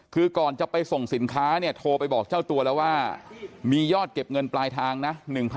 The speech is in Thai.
คือก่อนจะไปส่งสินค้าเนี่ยโทรไปบอกเจ้าตัวแล้วว่ามียอดเก็บเงินปลายทางนะ